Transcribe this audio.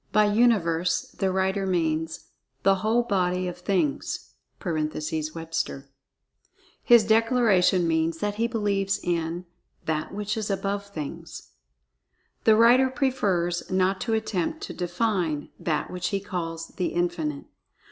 By "Universe," the writer means "The whole body of Things" (Webster). His declaration means that he believes in "That which is above Things." The writer prefers not to attempt to "define" THAT which he calls "The Infinite."